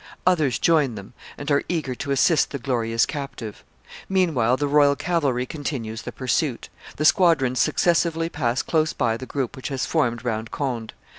Others join them, and are eager to assist the glorious captive. Meanwhile the royal cavalry continues the pursuit; the squadrons successively pass close by the group which has formed round Conde.